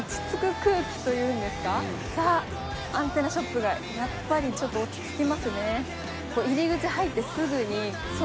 ザ・アンテナショップがやっぱりちょっと落ち着きますね。